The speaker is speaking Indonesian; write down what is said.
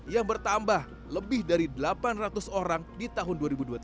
yang bertambah lebih dari delapan ratus orang di tahun dua ribu dua puluh tiga